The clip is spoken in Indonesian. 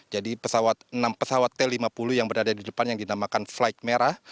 jadi enam pesawat t lima puluh yang berada di depan yang dinamakan flight merah